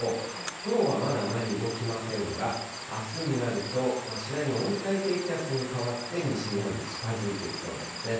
きょうはまだあまり動きませんが、あすになると、次第に温帯低気圧に変わって、西日本に近づいてきそうなんですね。